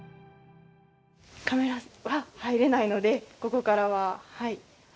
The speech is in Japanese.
カメラは入れないのでここからは。